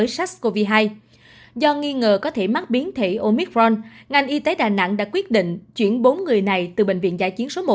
sars cov hai do nghi ngờ có thể mắc biến thể omicron ngành y tế đà nẵng đã quyết định chuyển bốn người này từ bệnh viện dạ chiến số một